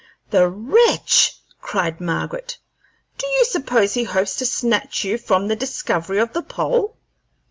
"The wretch!" cried Margaret. "Do you suppose he hopes to snatch from you the discovery of the pole?"